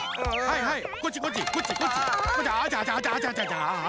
はいはいあ！